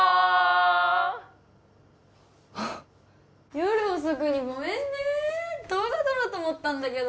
夜遅くにごめんね動画撮ろうと思ったんだけど